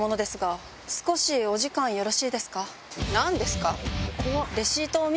何ですか？